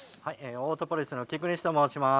オートポリスの菊西と申します。